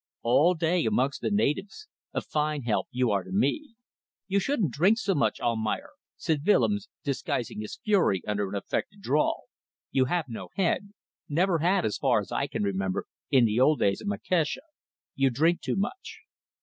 All day amongst the natives. A fine help you are to me." "You shouldn't drink so much, Almayer," said Willems, disguising his fury under an affected drawl. "You have no head. Never had, as far as I can remember, in the old days in Macassar. You drink too much."